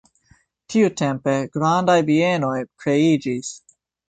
Tiutempe grandaj bienoj kreiĝis.